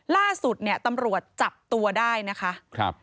ล่าสุดเนี่ยตำรวจจับตัวได้นะคะ